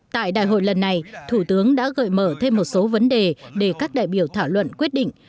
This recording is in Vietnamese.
tại đại hội lần này thủ tướng đã gợi mở thêm một số vấn đề để các đại biểu thảo luận quyết định